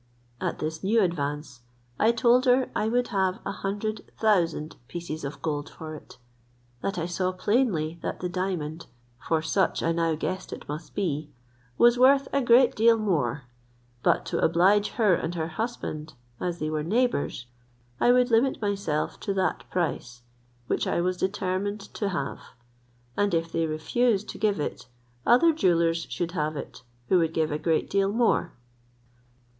At this new advance, I told her I would have a hundred thousand pieces of gold for it; that I saw plainly that the diamond, for such I now guessed it must be, was worth a great deal more, but to oblige her and her husband, as they were neighbours, I would limit myself to that price, which I was determined to have; and if they refused to give it, other jewellers should have it, who would give a great deal more.